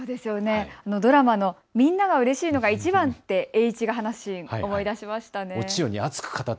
ドラマのみんながうれしいのがいちばんと栄一が話すシーンを思い出しましたね。